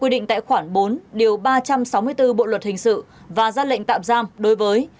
định tại khoản bốn điều ba trăm sáu mươi bốn bộ luật hình sự và ra lệnh tạm giam đối với